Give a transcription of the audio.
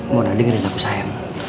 mona dengerin aku sayang